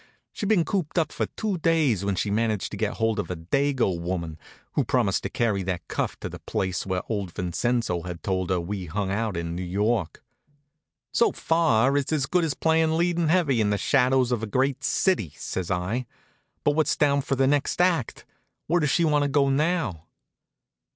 She'd been cooped up for two days when she managed to get hold of a Dago woman who promised to carry that cuff to the place where old Vincenzo had told her we hung out in New York. "So far it's as good as playin' leading heavy in 'The Shadows of a Great City,'" says I, "but what's down for the next act? Where does she want to go now?"